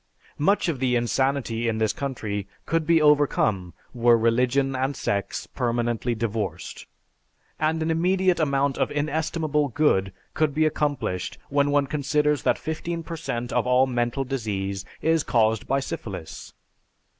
Much of the insanity in this country could be overcome were religion and sex permanently divorced; and an immediate amount of inestimable good could be accomplished when one considers that fifteen per cent of all mental disease is caused by syphilis.